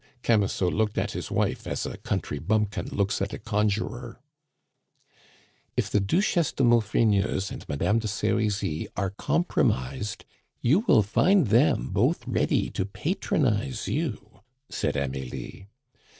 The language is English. Camusot looked at his wife as a country bumpkin looks at a conjurer. "If the Duchesse de Maufrigneuse and Madame de Serizy are compromised, you will find them both ready to patronize you," said Amelie.